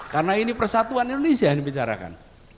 karena ini persatuan indonesia yang dibicarakan